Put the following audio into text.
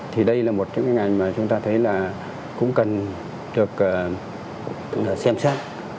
thì đây là một cái ngành mà chúng ta thấy là cũng cần được xem xét